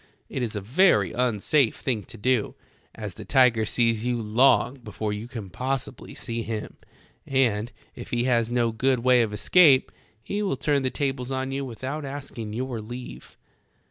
It is a very unsafe thing to do, as the tiger sees you long before you can possibly see him, and A FIGHT WITH A TIGER. 137 if he has no good way of escape he will turn the tables on you without asking your leave.